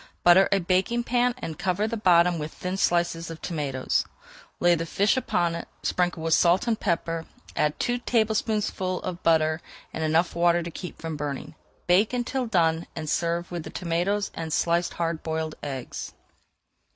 Butter a baking pan and cover the bottom with thin slices of tomatoes. Lay the fish upon it, sprinkle with salt and pepper, add two tablespoonfuls of butter and enough water to keep from burning. Bake until done and serve with the tomatoes and sliced hard boiled eggs.